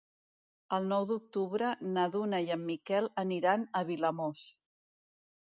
El nou d'octubre na Duna i en Miquel aniran a Vilamòs.